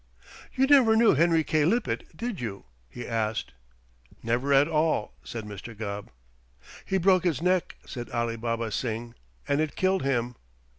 "You never knew Henry K. Lippett, did you?" he asked. "Never at all," said Mr. Gubb. "He broke his neck," said Alibaba Singh, "and it killed him."